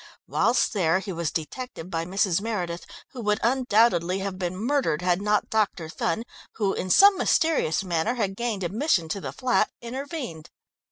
Whilst there he was detected by Mrs. Meredith, who would undoubtedly have been murdered had not Dr. Thun, who, in some mysterious manner, had gained admission to the flat, intervened.